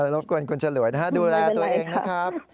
รบกวนคุณฉลวยนะฮะดูแลตัวเองนะครับ